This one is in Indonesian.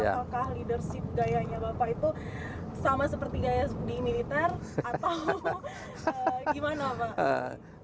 apakah leadership gayanya bapak itu sama seperti gaya di militer atau gimana pak